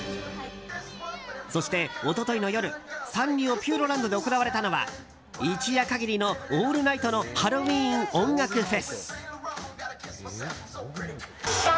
そして、一昨日の夜サンリオピューロランドで行われたのは一夜限りのオールナイトのハロウィーン音楽フェス。